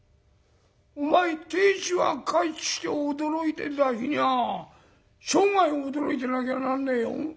お前亭主が帰ってきて驚いてた日にゃ生涯驚いてなきゃなんねえよ。